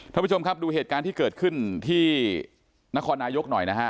ท่านผู้ชมครับดูเหตุการณ์ที่เกิดขึ้นที่นครนายกหน่อยนะฮะ